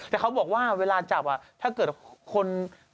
แต่เขาบอกว่าเวลาจับถ้าเกิดคน